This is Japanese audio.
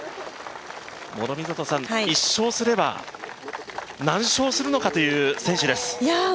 １勝すれば、何勝するのかという選手です。